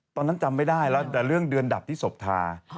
จำไม่ได้แล้วแต่เรื่องเดือนดับที่ศพทา